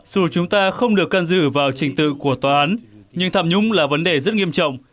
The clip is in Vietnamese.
dù chúng ta không được căn dự vào trình tự của tòa án nhưng tham nhũng là vấn đề rất nghiêm trọng